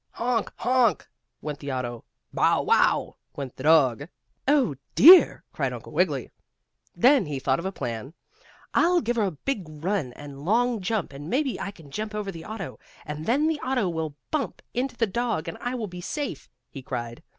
"Honk Honk!" went the auto. "Bow wow!" went the dog. "Oh, dear!" cried Uncle Wiggily. Then he thought of a plan. "I'll give a big run and a long jump and maybe I can jump over the auto, and then the auto will bump into the dog, and I will be safe!" he cried.